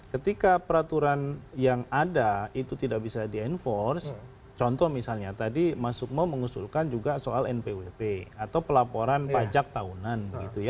ketika peraturan yang ada itu tidak bisa di enforce contoh misalnya tadi mas sukmo mengusulkan juga soal npwp atau pelaporan pajak tahunan